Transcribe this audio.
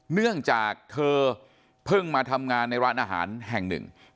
เนื่องจากเธอเพิ่งมาทำงานในร้านอาหารแห่งหนึ่ง